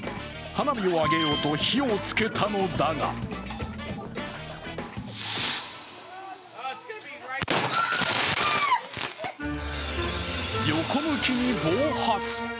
花火を上げようと火をつけたのだが横向きに暴発。